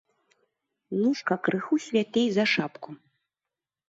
Ножка крыху святлей за шапку.